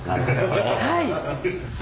はい。